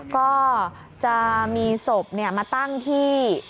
ก็จะมีศพมาตั้งที่